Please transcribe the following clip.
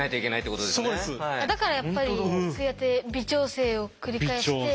だからやっぱりそうやって微調整を繰り返して。